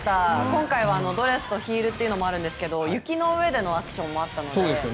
今回はドレスとヒールというのもあるんですけど雪の上でのアクションもあったので。